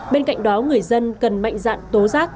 bên cạnh đó người dân cần mạnh dạn tố giác